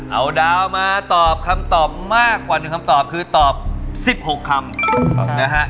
เอาดาวมาตอบคำตอบมากกว่า๑คำตอบคือตอบ๑๖คำนะฮะ